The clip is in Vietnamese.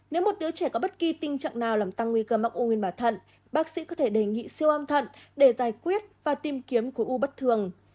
nếu một đứa trẻ có bất kỳ tình trạng nào làm tăng nguy cơ mắc u nguyên bà thận bác sĩ có thể đề nghị siêu âm thận để giải quyết và tìm kiếm khối u bất thường